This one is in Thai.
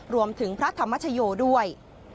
รวมถึงพระธรรมชโยด้วย